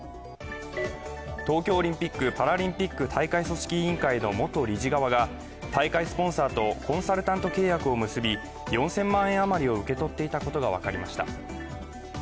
東京オリンピック・パラリンピック大会組織委員会の元理事側が大会スポンサーとコンサルタント契約を結び４０００万円余りを受け取っていたことが分かりました。